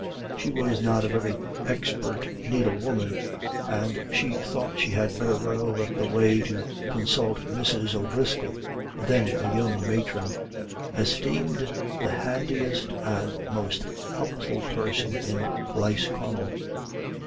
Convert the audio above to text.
She was not a very expert needlewoman, and she thought she had better run over the way to consult Mrs. O'Driscoll, then a young matron, esteemed the handiest and most helpful person in Lisconnel.